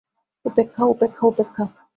উপেক্ষা, উপেক্ষা, উপেক্ষা।